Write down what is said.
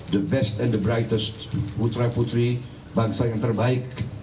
the best and the brightes putra putri bangsa yang terbaik